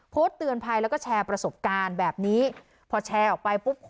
โพสต์เตือนภัยแล้วก็แชร์ประสบการณ์แบบนี้พอแชร์ออกไปปุ๊บ